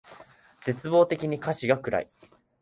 絶望的に歌詞が暗い